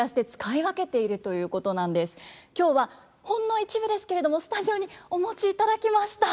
今日はほんの一部ですけれどもスタジオにお持ちいただきました。